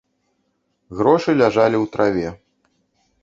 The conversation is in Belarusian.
Грошы ляжалі ў траве.